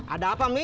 ada apa mi